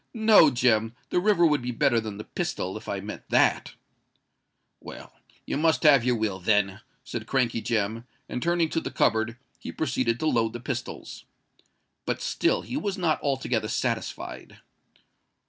No, Jem—the river would be better than the pistol, if I meant that." "Well—you must have your will, then," said Crankey Jem; and, turning to the cupboard, he proceeded to load the pistols. But still he was not altogether satisfied!